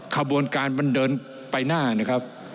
ขบวนการมันเดินไปหน้านะครับ